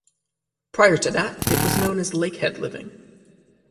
Prior to that it was known as "Lakehead Living".